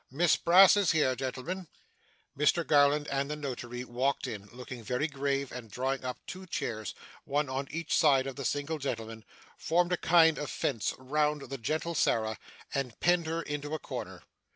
Miss Brass is here, gentlemen.' Mr Garland and the Notary walked in, looking very grave; and, drawing up two chairs, one on each side of the single gentleman, formed a kind of fence round the gentle Sarah, and penned her into a corner.